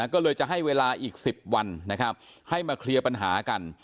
ก็เลยจะให้เวลาอีก๑๐วันนะครับให้มาเคลียร์ปัญหากัน